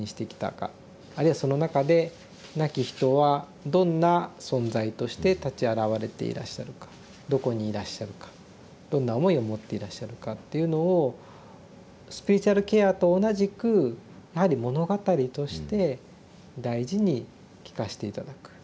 あるいはその中で亡き人はどんな存在として立ち現れていらっしゃるかどこにいらっしゃるかどんな思いを持っていらっしゃるかっていうのをスピリチュアルケアと同じくやはり物語として大事に聞かして頂く。